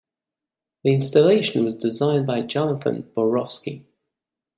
The installation was designed by Jonathan Borofsky.